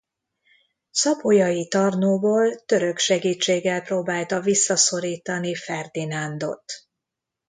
Szapolyai Tarnówból török segítséggel próbálta visszaszorítani Ferdinándot.